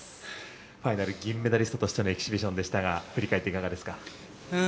ファイナル銀メダリストとしてのエキシビションでしたが振り返っていかがですか？